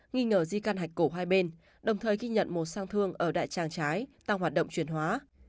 nghi ngờ di căn hạch cổ hai bên đồng thời ghi nhận một sang thương ở đại tràng trái tăng hoạt động chuyển hóa